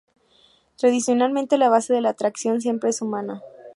Tradicionalmente, la base de la tracción siempre es humana.